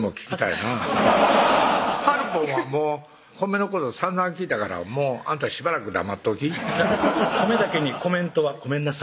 なはるぽんはもう米のことさんざん聞いたからもうあんたしばらく黙っときじゃあ米だけにコメントはこめんなさい